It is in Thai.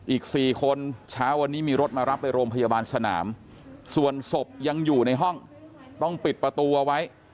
อีก๔คนเช้าวันนี้มีรถมารับไปโรงพยาบาลสนามส่วนศพยังอยู่ในห้องต้องปิดประตูเอาไว้